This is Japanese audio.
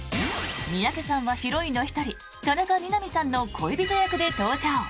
三宅さんはヒロインの１人田中みな実さんの恋人役で登場。